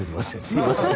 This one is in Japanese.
すいません。